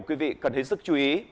quý vị cần hãy sức chú ý